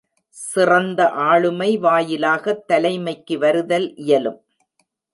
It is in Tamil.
சிறந்த ஆளுமை வாயிலாகத் தலைமைக்கு வருதல் இயலும்.